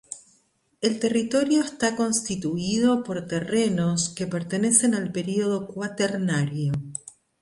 El territorio está constituido por terrenos que pertenecen al período cuaternario.